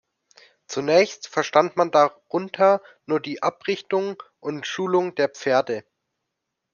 Zunächst verstand man darunter nur die „"Abrichtung und Schulung der Pferde“".